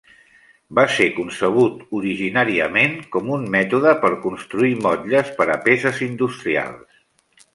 Va ser concebut originàriament com un mètode per construir motlles per a peces industrials.